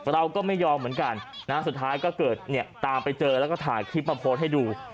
เราก็ไม่ยอมเหมือนกันนะสุดท้ายก็เกิดเนี่ยตามไปเจอแล้วก็ถ่ายคลิปมาโพสต์ให้ดู